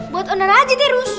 buat oner aja terus